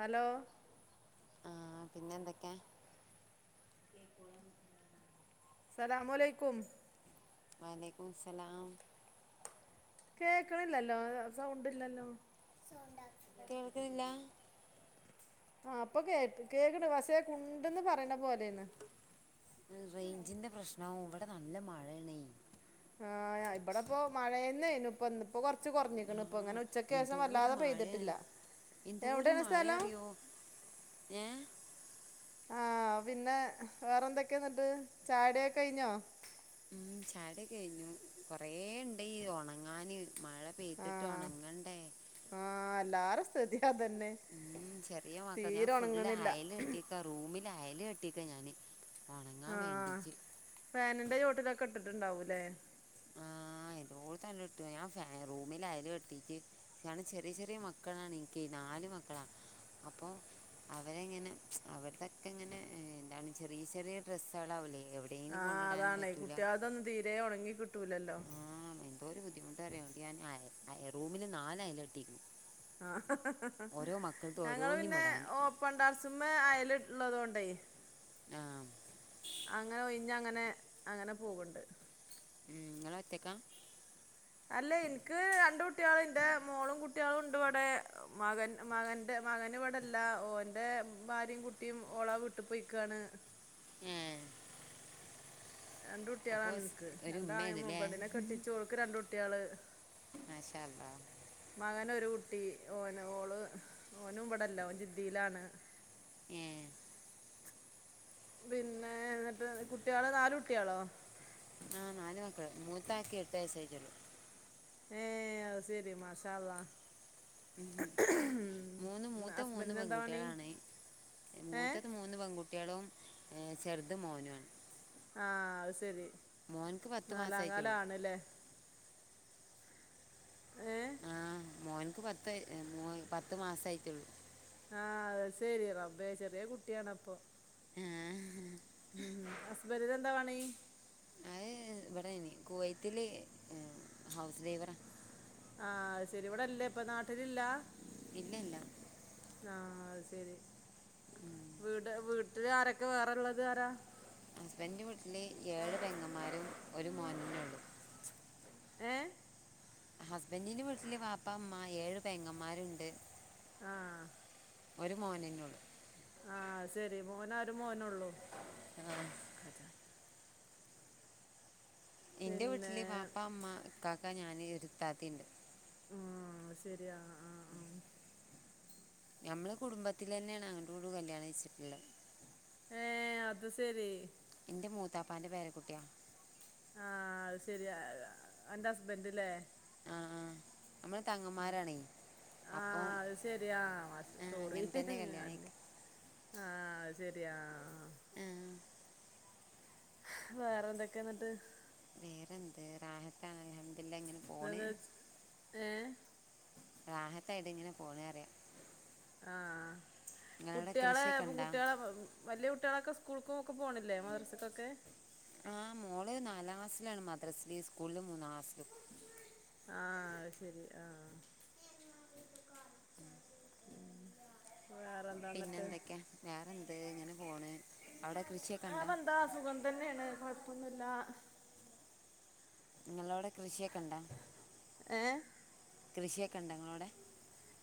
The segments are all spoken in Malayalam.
ഹലോ ആ പിന്നെ എന്തൊക്കെയ സ്ലാലാമലൈക്കും. വലൈക്കുംസ്സാലാം കേൾക്കണില്ലല്ലോ സൗണ്ട് ഇല്ലല്ലോ കേൾക്ണില്ല. ആ അപ്പൊ കേ കേക്കണ് ണ്ട് പശേകുണ്ട്ന്ന് പറയണ പോലെയാണ്. ഉം റേഞ്ചിന്റെ പ്രശ്നവും ഇവിടെ നല്ല മഴയണേ ആ ഇവിടെപ്പോ മഴന്നെണു ഇപ്പൊ ഇപ്പൊ കൊറ കുറച്ച് കുറഞ്ഞിക്കുണുപ്പൊ ആഹ് അങ്ങനെ ഉച്ചക്കേഷം എന്തോരു വല്ലാതെ മഴയാ പെയ്തിട്ടില്ല. എന്തോരു എവിടെയാണ് മഴ സ്ഥലം അറിയോ ഏ ആഹ് പിന്നെ വേറെ എന്തൊക്കെയ ന്നിട്ട് ചായടിയൊക്കെ കഴിഞ്ഞോ ഉം ചായടികഴിഞ്ഞു കുറേ ഉണ്ട് ഈ ഉണങ്ങാന് മഴ പെയ്ത്തിട്ട് ഉണങ്ങണ്ടേ ആഹ് എല്ലാരെ സ്ഥിതിയതന്നെ ഉം ചെറിയ മക്കക്ക് ഞാൻ ഫുള്ള് അയല് കെട്ടീക്കാ റൂമിൽ അയല് കെട്ടീക്ക ഞാന് ഉണങ്ങാൻ ആ വേണ്ടിട്ട് ഫാനിന്റെ ചുവട്ടിലൊക്കെ ഇട്ടിട്ടുണ്ടാവൂല്ലേ ആഹ് ഇതുപോലെ തന്നെ ഇട്ടുക്ക്ണ് ഞാൻ റൂമില് അയല് കെട്ടിട്ട് നിക്കാണങ്കി ചെറിയ ചെറിയ മക്കളാണ് എനിക്ക് നാല് മക്കളാ അപ്പൊ അവരെങ്ങനെ അവരുടെക്കെങ്ങനെ എന്താണ് ചെറിയ ചെറിയ ഡ്രസ്സാ ളാവില്ലെ അവിടെ ആഹ് അതാണ്ഈ കുട്ടിയാൾ തൊന്നും തീരെ ഉണങ്ങി കിട്ടൂലല്ലോ. ആഹ് എന്തൊരു ബുദ്ധിമുട്ടറിയോ ന്നിട്ട് ഞാൻ അയറൂമില് നാല് അയലട്ടിരിക്കുന്നു. ആഹ് ഞങ്ങള് ഓരോന്നും പിന്നെ ഇടാൻ ഓ പ്പൺ ടെറസ്മ്മേ അയല് കെട്ടീട്ടുള്ളതോണ്ടേ ആഹ് അങ്ങനെ ഒയിഞ്ഞ അങ്ങനെ അങ്ങനെ പോവ്ണ്ട്. ഉം നിങ്ങളൊറ്റക്കാ അല്ലേ എനിക്ക് രണ്ട്കുട്ടികൾണ്ട് മോളും കുട്ടികളും ഉണ്ട് ഇവിടെ മകൻ മകൻ എന്റെ മകന് വിടില്ല ഓന്റെ ഭാര്യയും കുട്ടിയും ഓളെവീട്ടു പോയിക്കാണ്. ഏഹ് രണ്ട് കുട്ടികളാ അപ്പോൾ എനിക്ക് ഒരു രണ്ടാളെയും ഉമ്മയുണ്ടല്ലേ കെട്ടിച്ചു ഓക്ക് രണ്ട് കുട്ടികള് മാഷാ അല്ലാഹ് മകന് ഒരു കുട്ടി ഓന് ഓള് ഓനും ഇവിടല്ല ഓൻ ജിദ്ദയിലാണ് ഏഹ് പിന്നെ എന്നിട്ട് കുട്ടികള് നാല് കുട്ടികളോ ആഹ് നാല് മക്കള് മൂത്താക്ക് എട്ടുവയസ്സ് ആയിട്ടുള്ളു ഏഹ് ശരി മാഷാ അല്ലാഹ് ഉം മൂന്ന് മൂത്ത മൂന്ന് ഹസ്ബൻഡിന് എന്താ പണി പെൺകുട്ടികളാണ് ഏഹ് മൂത്തത് മൂന്ന് മൂന്ന് പെൺകുട്ടികളും ചെറുത് മോനുമാണ് ആഹ് അത് ശരി മോൻക്ക് പത്ത് നാലാംകാല മാസമായിട്ടുള്ളൂ ആണല്ലേ ഏഹ് ആഹ് മോഹൻക്ക് പത് പത്ത് പത്ത് മാസമായിട്ടുള്ളൂ ആഹ് ശെരി റബ്ബേ ചെറിയകുട്ടിയാണപ്പോ ആഹ് ഉം ഹസ് ബെന്റി നെന്താ പണി അത് ഇവിടെയിന് കുവൈത്തില് ഹൗസ് ഡ്രൈവറാ ആഹ് അത് ശരി ഇവിടെല്ലേ ഇപ്പ നാട്ടിലില്ല ഇല്ലല്ല ആഹ് അത് ശെരി വീട് വീട്ടില് ആരൊക്കെ വേറെള്ളത് ആരാ ഹസ്ബന്റിന്റെ വീട്ടില് ഏഴ് പെങ്ങമാരും ഒരു മോന് നും ഉള്ളു ഏഹ് ഹസ്ബന്റിന്റെ വീട്ടില് വാപ്പ ഉമ്മ ഏഴു പെങ്ങന്മാരുണ്ട് ആഹ് ഒരു മോനെന്നേ ഉള്ളു ആഹ് അത് ശെരി മോനാരും മോനെ ഉള്ളു ആഹ് [inaudible] എന്റെ പിന്നെ വീട്ടില് വാപ്പാ ഉമ്മ ഇകാക്ക ഞാൻ ഒരു ഇത്താത്തിയുണ്ട് ആഹ് ശരിയാ ആഹ് നമ്മള് കുടുംബത്തിൽ തന്നെയാണ് അങ്ങോട്ടും ഇങ്ങോട്ടും കല്യാണം കഴച്ചിട്ടുള്ളത് ഏഹ് അത് ശരി എന്റെ മൂത്താപ്പാന്റെ പേരക്കുട്ടിയാ ആഹ് അത് ശെരി അന്റെ ഹസ്ബൻഡല്ലേ ആഹ് ആഹ് നമ്മള് തങ്ങന്മാരാണേ അപ്പോൾ ആഹ് അത് ശരിയാ സോറി അങ്ങനെ തന്നെ കല്യാണം കഴിക്ക ആഹ് ശരിയാ ആഹ് വേറെ എന്തൊക്കെയ എന്നിട്ട് വേറെന്ത് റാഹത്താ അൽഹംദുലില്ലാ ഇങ്ങനെ പോണ് ഏഹ് റാഹത്തായിട്ട് ഇങ്ങനെ പോണേ അറിയാം ആഹ് നിങ്ങളവിടെ കൃഷിയൊക്കെ കുട്ടികളെപ്പം ഉണ്ടാ കുട്ടികളെ വലിയ കുട്ടികളൊക്കെ സ്കൂൾക്കും ഒക്കെ പോണില്ലേ മദർസക്കൊക്കെ ആഹ് മോള് നാലാം ക്ലാസ്സിലാണ് മദ്രസില സ്കൂളിൽ മൂന്നാം ക്ലസ്സിലും ആഹ് ശരി ആഹ് ഉം വേറെ ന്താ പിന്നെ എന്തൊക്കാ വേറെന്ത് ഇങ്ങനെ പോണ് അവിടെ കൃഷിയൊക്കെ ഉണ്ടോ ആഹ് സുഖം തന്നെയാണ് കുഴപ്പൊന്നുമില്ല നിങ്ങളോവിടെ കൃഷിയൊക്കെണ്ടാ ഏഹ് കൃഷിയൊക്കെ ഉണ്ടൊ നിങ്ങളോടെ.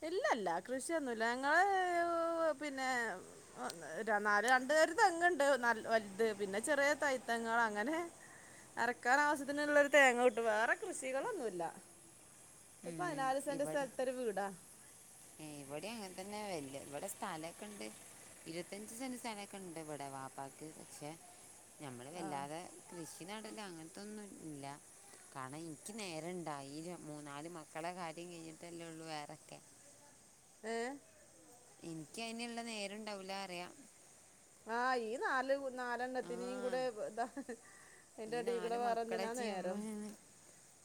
ഇല്ല ഇല്ല കൃഷിയൊന്നുല്ല ഞങ്ങള് പിന്നെ നാല് രണ്ടേരി തെങ്ങുണ്ട് ന വൽത് പിന്നെ ചെറിയ തൈ തെങ്ങള് അങ്ങനെ. അരക്കാനാവശ്യത്തിനുള്ളൊരു തേങ്ങ കിട്ടും വേറെ കൃഷികളൊന്നുല്ല. ത് ഉം, പതിനാല് സെന്റ് സ്ഥലത്തൊരു വീടാ. ഏഹ് ഇവിടെ അങ്ങതന്നെ വരല് വിടെ സ്ഥലൊക്കണ്ട്. ഇരുവത്തഞ്ച് സെന്റ് സ്ഥലൊക്കെണ്ട് ഇവിടെ വാപ്പാക്ക് പക്ഷെ നമ്മള് ആ വല്ലാതെ കൃഷി. കൃഷി നടല് അങ്ങത്തൊന്നുല്ല. കണം ഇൻക്ക് നേരണ്ടാ ഈല മൂന്നാല് മക്കളെ കാര്യം കഴിഞ്ഞിട്ടല്ലേള്ളു വേറെക്കെ. ഏഹ് ഇനിക്ക് അയിനുള്ള നേരണ്ടാവൂല അറിയ. ആഹ് ഇയ് നാല് നാലെണ്ണത്തിനേം ആ കൂടെ എന്താ. ഈ നാല് മക്കളെച്ചീ നമ്മൾ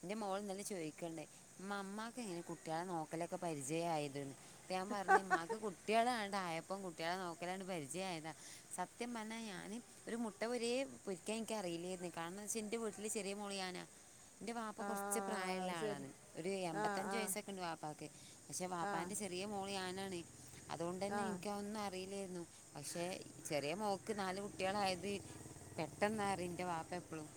ൻ്റെ മോള്ന്നല്ലെ ചോയ്ക്ണ്ട് മ്മാ മ്മാക്കെങ്ങനെ കുട്ട്യേളെ നോക്കലൊക്കെ പരിചയായത് എന്ന് അപ്പ ഞാൻ പറഞ് ഇമ്മക് കുട്ട്യേളണ്ടായ. ഇപ്പം കുട്ട്യേളെ നോക്കലണ്ട് പരിചയായതാ സത്യം പറഞ്ഞാ ഞാന്. ഒരു മുട്ട വരെ പൊരിക്കാ ഇൻക്കറിയില്ലായിരുന്നു കാരണം വെച്ച ഇന്റെ വീട്ടില് ചെറിയ മോള് ഞാനാ. ന്റെ വാപ്പ ആ കൊറച്ച് പ്രായള്ള ശരി ആളാണ് ഒരു ആ എമ്പത്തഞ്ച് ആ വയസ്സൊക്കെണ്ട് വാപ്പക്ക് പക്ഷെ ആ വാപ്പാൻ്റെ ചെ.. റിയ മോള് ഞാനാണെയ് അതുകൊണ്ട് തന്നെ ആ ഇൻക്ക ഒന്നും. അറിയിലാർന്നു പക്ഷെ ചെറിയ മോക്ക് നാല് കുട്ട്യേളായത് പെട്ടെന്നരുന്നു ന്റ വാപ്പ. പ്പളും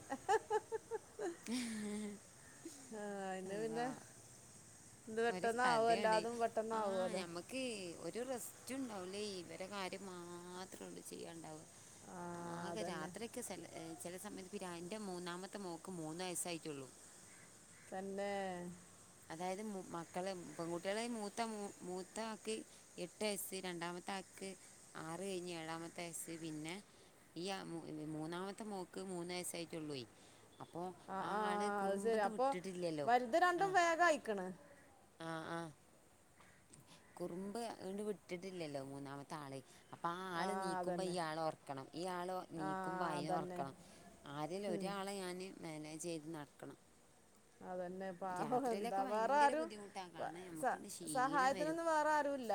ആഹ് അയിന് അള്ളാ. പിന്നെ ഇത് ഒരു പെട്ടെന്നാവും കഥയന്നേ എല്ലാതും ആഹ് പെട്ടെന്നാവുല്ലോ ഞമ്മക്ക്. ക്ക് ഒരു റെസ്റ്റ്ണ്ടാവൂല്ലേ ഇവരെ കാര്യം മാത്രേള്ളൂ ചെയ്യാണ്ടാവ. ആഹ് ആകെ അതന്നെ രാത്രിയൊക്കെ ചെലേ ചെലേ സമയത്ത്. വിരാ ന്റെ മൂന്നാമത്തെ മോക്ക് മൂന്ന് വയസ്സായിട്ടുള്ളൂ. തന്നെ അതായത് മക്കളെ പെൺകുട്ട്യേളെയ മൂത്ത മൂത്താക്ക്. എട്ട് വയസ്സ് രണ്ടാമത്താക്ക് ആറ് കഴിഞ്ഞ് ഏഴാമത്തെ വയസ്സ് പിന്നെ. ഇയ്യ മൂന്നാമത്തെ മോക്ക് മൂന്ന് വയസ്സായിട്ടുള്ളേയി അപ്പോ ആഹ് ആ ആള് ആഹ് കുറുമ്പ്ത് വിട്ടിട്ടില്ലല്ലോ ആ. അതയിക്ണ്. ആഹ് ആഹ്. കുറുമ്പങ്ങട്ട് വിട്ടിട്ടില്ലല്ലോ മൂന്നാമത്താളെ. അപ്പൊ ആ ആള് ആഹ് നീക്കുമ്പോ ഈ അതന്നെ ആളെ ഒറക്കണം ഈ ആള് നീക്കുമ്പോ ആഹ് അയിനെ അതന്നെ ഒർക്കണം. ആരേലും ഉം ഒരാളെ ഞാന് മാനേജ് ചെയ്ത് നടക്കണം. അതന്നെ. പാവം എന്താ രാത്രിയിലൊക്കെ വേറെ ഭയങ്കര ആരും ബുദ്ധിമുട്ടാണ് കാരണം സ നമുക്കുണ്ട് ക്ഷീണം സഹായത്തിനൊന്നും വേറെആരുല്ല.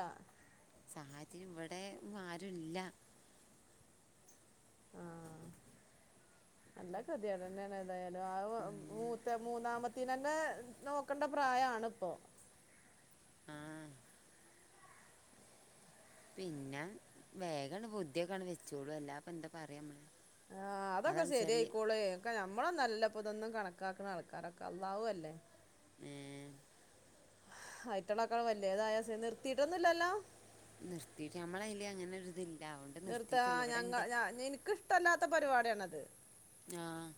സാഹായ്ത്തിന് ഇവിടെ ഒന്നും ആരുല്ല. ആഹ് നല്ല കത്യേടെന്നേണ് എന്തായാലും ആ മൂത്ത മൂന്നാമത്തിനെന്നെ നോക്കണ്ട പ്രായാണ് ഇപ്പൊ. ആഹ് പിന്നെ വേഗണ്ട് ബുദ്ധിയൊക്കണ്ട് വെച്ചോളും അല്ലാപ്പന്താ പറയാ അമ്മള്. ആഹ് അതൊക്കെ ശരിയായിക്കോളേ. നമ്മളൊന്നല്ലപ്പ ഇതൊന്നും കണക്കാക്കുന്ന ആൾക്കാരൊക്കെ അള്ളാഹുവല്ലേ. ഏഹ് ആയിറ്റള്ളക്കണ്ട് വല്ലേതായ സേ നിർത്തിട്ടൊന്നുല്ലല്ലോ. നിർത്തിയിട്ട് നമ്മളയില് അങ്ങനെ ഒരുതില്ലേ. നിർത്ത ഞങ്ങ ഇനിക്കിഷ്ടല്ലാത്ത പരിപാടിയാണത്. ആഹ്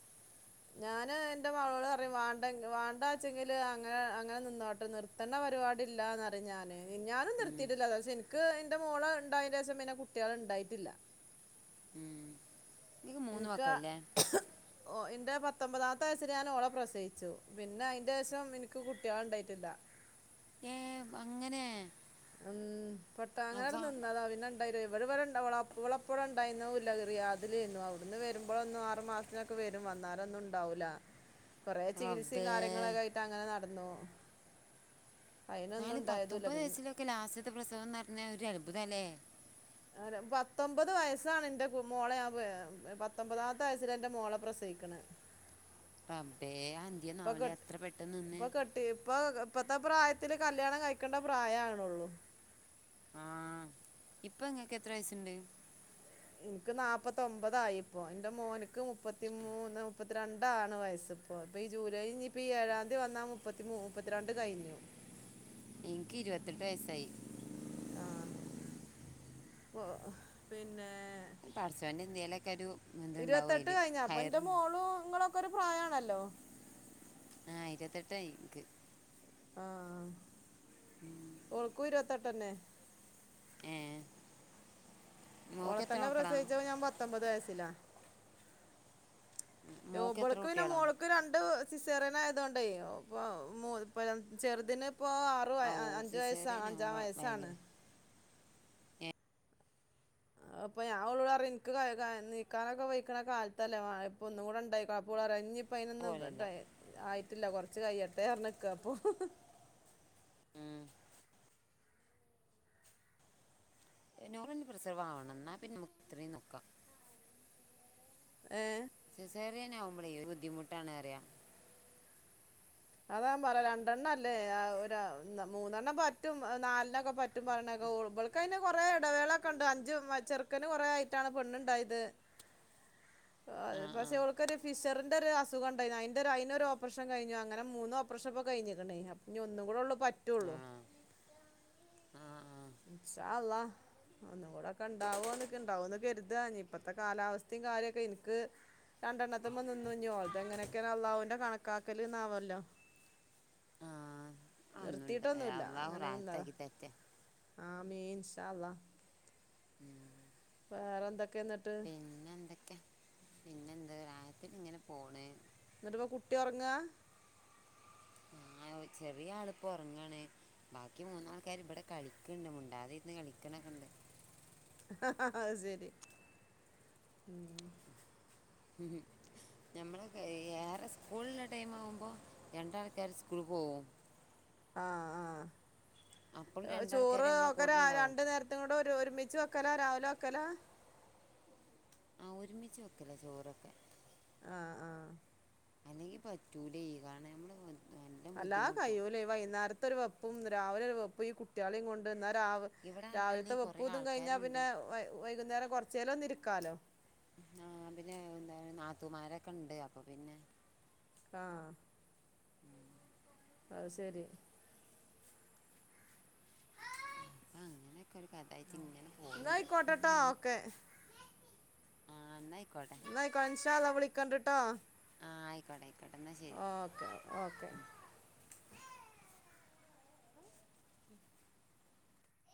ഞാന് എന്റെ മളോള് പറയും വാണ്ട വാണ്ടാച്ചെങ്കില് അങ്ങനെ അങ്ങനെ നിന്നോടട്ടെ നിർ ത്ത്ണ പരുപാടി ഇല്ലന്ന് ഞാന് ഞാനും ഉം, നിർത്തിയിട്ടില്ല അ ഇനിക്ക് ഇന്റെ മോള് ഉണ്ടായന്റെഷം പിന്നെ കുട്ട്യാള് ഇണ്ടായിട്ടില്ല ഉം നിനക്ക് മൂന്ന് ഇനിക്ക് മക്കളല്ലേ ഓ ഇന്റെ പത്തൊമ്പതാമത്തെ വയസ്സിൽ ഞാൻ ഓളെ പ്രസയിച്ചു പിന്നെ അതിന്റെ ശേഷം ഇനിക്ക് കുട്ട്യാള് ഉണ്ടായിട്ടില്ല ഏഹ് അങ്ങനെ ഉം പെട്ട അവ അങ്ങനണ്ട് നിന്നതാ പിന്നെ ഇവിടെ [unintelligible] ഇവളെ ഇപ്പ ഇവിടെ ഉണ്ടായിന്നതുംല്ല റിയാദിൽ ഏന്നു അവിടുന്ന് വരുമ്പോൾ ഒന്നും ആറ് മാസം തിനൊക്കെ വരും വന്നാലൊന്നും ഉണ്ടാവൂല്ല [inaudible] [inaudible] കുറെേ ചികിത്സയും റബ്ബേ കാര്യങ്ങളൊക്കെ ആയിട്ട് അങ്ങനെ നടന്നു അയിനൊന്നും ഉണ്ടായതുംല്ല പിന്നെ ലാസ്റ്റ്ത്തെ പ്രസവംന്ന് പറഞ്ഞാൽ ഒരു അത്ഭുതാല്ലേ പത്തൊമ്പത് വയസ്സാണ് ഇന്റെ മോളെ ഞാൻ പത്തൊമ്പതാമത്തെ വയസ്സിൽ ആണ് ഇന്റെ മോളെ പ്രസവിക്ക്ണ് റബ്ബെ അതെന്ത്യെന്നാവുലെ അത്ര പെട്ടെന്ന് നിന്നേ ഇപ്പ ഇപ്പത്തെ പ്രായത്തില് കല്യാണം കഴിക്കേണ്ട പ്രായവ്ണൊള്ളൂ ആഹ ഇപ്പ ഇങ്ങക്ക് എത്ര വയസ്സുണ്ട് ഇനിക്ക് നാല്പ്പത്തൊമ്പതായി ഇപ്പോ ഇന്റെ മോന്ക്ക് മുപ്പത്തിമൂന്ന് മുപ്പത്തിരണ്ടാണ് വയസ് ഇപ്പൊ ഈ ജൂലൈ ഇപ്പോം ഈ ഏഴാംതി വന്നാ മുപ്പത്തി മുപ്പത്തിരണ്ട് കഴിഞ്ഞു ഇനിക്ക് ഇരുപത്തിട്ട് വയസ്സായി [inaudible] ആഹ് പിന്നെ പടച്ചോന്റെ എന്തെലൊക്കെ ഒരു ഇതുണ്ടാവും ഇരുപത്തെട്ട് അതിൽ കഴിഞ്ഞ അപ്പൊ ഇന്റെ ഹയറുണ്ട് മോളും ഇങ്ങളൊക്കെ ഒരു പ്രായമാണല്ലോ ആഹ് ഇരുപത്തെട്ടായി ഇക്ക് ആ ഓൾക്കും ഇരുപത്തെട്ടെന്നെ ഏഹ് ഓള തന്നെ പ്രസയിച്ച ഞാൻ പത്തൊമ്പത് വയസ്സിലാ മോക്ക് എത്ര ഒബളക്കവിന കുട്ടികളാ മോളക്ക രണ്ട് സിസെറിന ആയത കൊണ്ട് ഇപ്പ ചെറുതിന് ഇപ്പോ ആറ് ആ ഓ അഞ്ചു വയസ്സാണ് സിസേറിയനാവും അഞ്ചാം വയസ്സാണ് ഭയങ്കര അപ്പൾ ഞാൻ വിളാ എനിക്ക് നീക്കാനൊക്കെ വെിക്കണ കാലത്തല്ലേ ഇപ്പൊ ഒന്നും കൂടെ ഉണ്ടായി കുപ്പം വിള്ള അപ്പ പോലല്ല അതിനൊന്നും ആയിട്ടില്ല കുറച്ച് കൈയ എട്ടേ ഇറിഞ്ഞ നിക്കുക അപ്പൊ ഉം നൂറഞ്ച് പ്രസരം ആവണം എന്നാ പിന്നെ നമുക്ക് ഇത്രയും നോക്കാം ഏഹ് സിസേറിയനാവകുമ്പഴേ ഒരു ബുദ്ധിമുട്ടാണ് അറിയാം അതാൻ പറയാ രണ്ടെണ്ണം അല്ലേ മൂന്നെണ്ണം പറ്റും നാലിണ് ഒക്കെ പറ്റും മറ്റും പറഞ്ഞൊക്കെ ഉടുബോൾക്ക് അതിന് കുറെേ ഇടവേള ഒക്കെ ഉണ്ട് അഞ്ച് ചെറുക്കന് കുറെ ആട്ടാണ് പെണ്ണുണ്ടായത് [inaudible] അ ആ പക്ഷെ അവക്കൊരു ഫിഷറിന്റെ ഒരു അസുഖംണ്ടായിരുന്നു അതിന്റെറെ ഒരു അയിന്റെ ഓപ്പറേഷൻ കഴിഞ്ഞു അങ്ങനെ മൂന്ന് ഓപ്രഷൻ ഇപ്പ കഴിഞ്ഞിക്കക്കണേ അ ഇനി ഒന്നും കൂടെള്ള പറ്റുള്ളൂ ആഹ ആഹ ഇൻഷാ അള്ളാ ഒന്നും കൂടെ ഒക്കെ ഇണ്ടാവോ എന്നൊക്കെ ഇണ്ടാവോന്ന് കരുതാ ഇ ഇപ്പഴത്തെ കാലാവസ്ഥയും കാര്യൊക്കെ എനിക്ക് രണ്ടെണ്ണത്തിുമ്പോ നിന്നുഞ്ഞോളത് എങ്ങനെയക്കെയ അള്ളാഹവിന്റെ കണക്കാക്കൽന്നാവല്ലോ ആ ആ ഒന്നുണ്ട് നിർത്തിയിട്ടൊന്നുമല്ല അള്ളാഹു അങ്ങനെന്നന്താതാ റാഹത്താക്കി തെറ്റ ആമേൻ ഇൻഷാ അള്ളാ [inaudible] വേറെ എന്തൊക്കെയിട്ട് പിന്നെ എന്തെക്കെ പിന്നെന്താ റായത്തിലിങ്ങനെ പോണ് എന്നിട്ട്പ്പ കുട്ടി ഉറങ്ങാ ആഹ് ചെറിയാളിപ്പോ ഉറങ്ങാണ് ബാക്കി മൂന്നാൾക്കാരും ഇവിടെ കളിക്കണ്ട് മുണ്ടാതിരുന്ന് കളിക്കണെക്കെയിണ്ട് അഹഹാഹാ അയിസെരി മ് മ്മ്ഹ് ഞമ്മൾ ഏറെ സ്കൂളില്ലേ ടൈംമാകുമ്പോൾ രണ്ടാൾക്കാര് സ്കൂള്ള്പ്പോകും ആഹ് അപ്പോൾ ആ രണ്ടാൾക്കാർ ചോറ് നമ്മളെ കൂടെ ഓക്കെരാ ഉണ്ടാവും രണ്ട് നേര ഇത്തഇങ്ങട്ട് വരൂ ഒരുമിച്ച് വക്കലാ രാവില വക്കലാ ആഹ് ഒരുമിച്ച് വക്കലാ ചോറൊക്കെ ആഹ് ആഹ് അല്ലെങ്കി പറ്റൂല്ലെ കാരണം നമ്മള് അല്ലാ കഴയൂല്ലേ വൈകുന്നേരത്തൊരു വെപ്പും രാവിലൊരു വെപ്പും ഈകുട്ട്യാളെയും കൊണ്ട് എന്നാ രാവ് ഇവിടെ പറഞ്ഞാൽ രാവിലത്തെ കുറേ വെപ്പുതും കഴിഞ്ഞാ ആൾക്കാരുണ്ട് പിന്നെ വൈ വൈകുന്നേരം കൊറച്ചേരോന്ന് ഇരിക്കാലോ ആഹ് പിന്നെ നാത്തുമാരൊക്കെണ്ട് അപ്പൊ പിന്നെ ആഹ് അഹ്സെരി അങ്ങനെക്കൊരുകഥയായിട്ടിങ്ങനെ എങ്ങായ്ക്കോട്ടേട്ടോ ഓക്കെ ആഹ് എന്നായിക്കോട്ടെ എന്നായിക്കോട്ടെ ഇൻഷാഅല്ലാഹ് വിളിക്കണിണ്ടട്ടോ ആഹ് ആയിക്കോട്ടെ ആയിക്കോട്ടെ എന്നാ ശരി ഓക്കെ ഓക്കെ